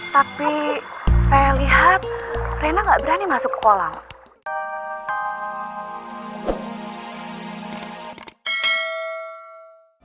tapi saya lihat rena gak berani masuk ke kolam